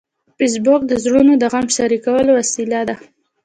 فېسبوک د زړونو د غم شریکولو وسیله ده